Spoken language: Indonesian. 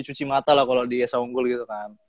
cuci mata lah kalo di yesa onggul gitu kan